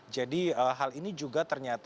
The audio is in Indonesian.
jadi hal ini juga ternyata